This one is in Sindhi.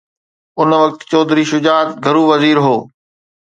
ان وقت چوڌري شجاعت گهرو وزير هو.